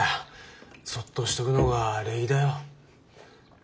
そっとしておくのが礼儀だよ。